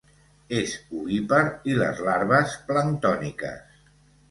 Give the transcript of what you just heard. És ovípar i les larves planctòniques.